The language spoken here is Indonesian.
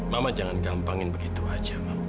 mama jangan gampangin begitu aja